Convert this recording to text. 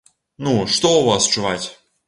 Ну, што ў вас чуваць?